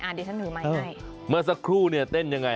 อ่านดิจันทร์หนูไม่ง่าย